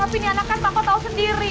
tapi ini anaknya pak tau sendiri